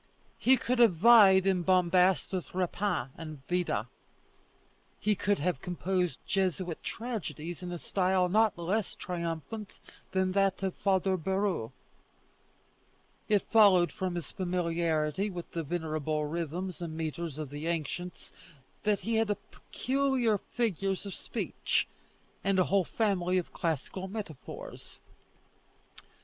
He could have vied in bombast with Rapin and Vida. He could have composed Jesuit tragedies in a style not less triumphant than that of Father Bouhours. It followed from his familiarity with the venerable rhythms and metres of the ancients, that he had peculiar figures of speech, and a whole family of classical metaphors.